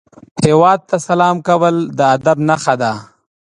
هیواد ته سلام کول د ادب نښه ده